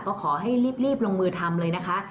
ก็ขอให้รีบลงมือทำเลยนะคะ